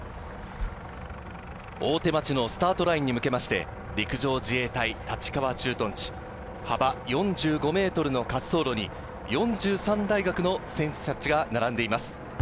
大手町のスタートラインに向けまして、陸上自衛隊立川駐屯地、幅４５ｍの滑走路に４３大学の選手たちが並んでいます。